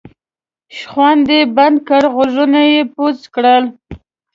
شخوند یې بند کړ غوږونه یې بوڅ کړل.